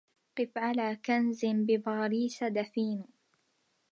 قف على كنز بباريس دفين